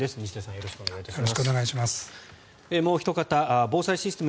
よろしくお願いします。